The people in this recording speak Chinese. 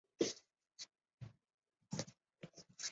全姓在大陆和台湾都没有列入百家姓前一百位。